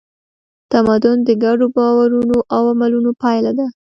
تمدن د ګډو باورونو او عملونو پایله ده.